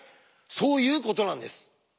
そういうことなんです。